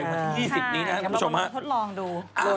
วันที่๒๐นี้นะครับคุณผู้ชมฮะทดลองดู